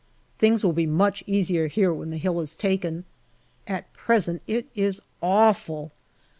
Things will be much easier here when the hill is taken. At present it is awful.